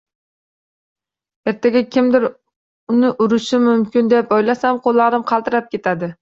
Ertaga kimdir uni urishi mumkin deb o'ylasam, qo'llarim qaltirab ketadi.